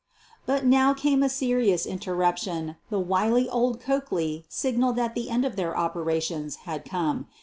But now came a serious interruption, the wily old Coakley signaled that the end of their operations had come.